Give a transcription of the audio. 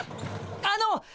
あの！